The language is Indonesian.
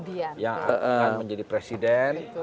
dia yang akan menjadi presiden